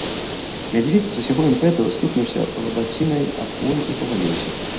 Мядзведзь з усяго імпэту стукнуўся лабацінай аб хвою і паваліўся.